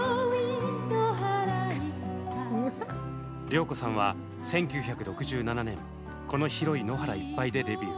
良子さんは１９６７年「この広い野原いっぱい」でデビュー。